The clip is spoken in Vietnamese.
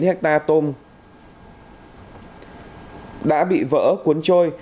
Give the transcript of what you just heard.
một chín hectare tôm đã bị vỡ cuốn trôi